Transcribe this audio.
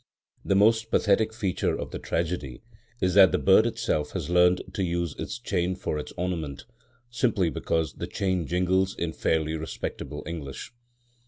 The most pathetic feature of the tragedy is that the bird itself has learnt to use its chain for its ornament, simply because the chain jingles in fairly respectable English.